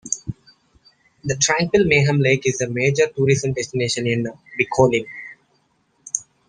The tranquil Mayem Lake is a major tourism destination in Bicholim.